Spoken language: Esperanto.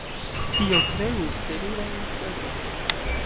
Tio kreus terurajn tradukojn.